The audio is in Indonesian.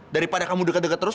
daripada kamu deket deket terus